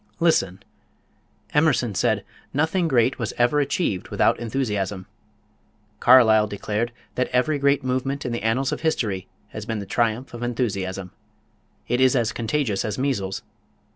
Listen! Emerson said: "Nothing great was ever achieved without enthusiasm." Carlyle declared that "Every great movement in the annals of history has been the triumph of enthusiasm." It is as contagious as measles.